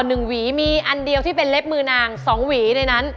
อ๋อนี่คือเบิ้ลเลย๒หวี